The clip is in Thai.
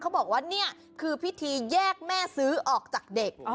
เขาบอกว่านี่คือพิธีแยกแม่ซื้อออกจากเด็ก